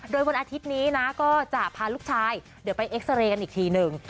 โดยวันอาทิตย์นี้นะก็จะพาลูกชายเดี๋ยวไปเอ็กซาเรย์กันอีกทีหนึ่ง